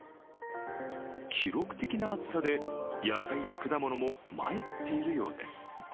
記録的な暑さで野菜や果物も参っているようです。